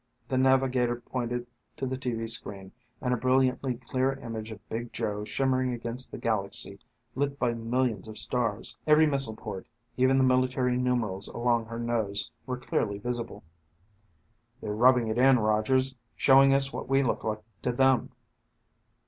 The navigator pointed to the tv screen and a brilliantly clear image of Big Joe shimmering against the galaxy, lit by millions of stars. Every missile port, even the military numerals along her nose were clearly visible. "They're rubbing it in, Rogers. Showing us what we look like to them."